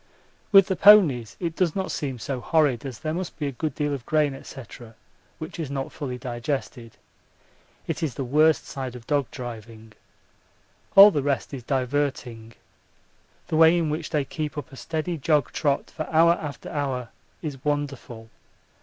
With the ponies it does not seem so horrid, as there must be a good deal of grain, &c., which is not fully digested. It is the worst side of dog driving. All the rest is diverting. The way in which they keep up a steady jog trot for hour after hour is wonderful.